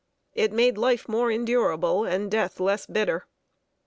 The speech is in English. It made life more endurable and death less bitter.